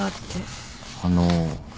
あの。